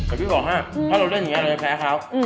แต่พี่บอกว่าถ้าเราเล่นอย่างนี้เราจะแพ้เขา